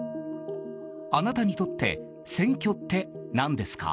あなたにとって選挙って何ですか？